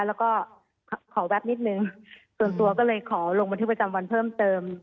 แล้วก็ขอแวบนิดนึงส่วนตัวก็เลยขอลงบันทึกประจำวันเพิ่มเติม